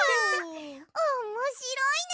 おもしろいね！